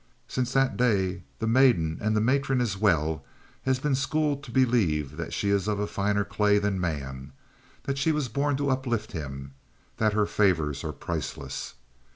Since that day the maiden and the matron as well has been schooled to believe that she is of a finer clay than man, that she was born to uplift him, and that her favors are priceless.